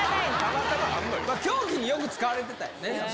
凶器によく使われてたよね。